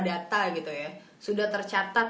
data gitu ya sudah tercatat